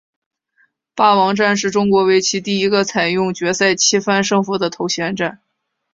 霸王战是中国围棋第一个采用决赛七番胜负的头衔战。